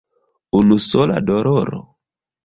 Unusola doloro?